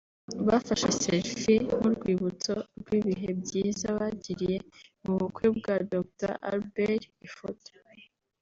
Bafashe 'Selfie' nk'urwibutso rw'ibihe byiza bagiriye mu bukwe bwa Dr Albert/Ifoto